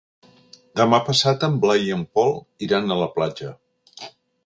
Demà passat en Blai i en Pol iran a la platja.